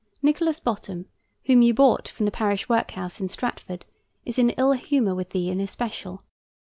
Nicholas Bottom, whom you brought from the Parish workhouse in Stratford, is in ill humor with thee in especial.